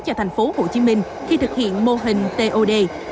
cho thành phố hồ chí minh khi thực hiện mô hình tod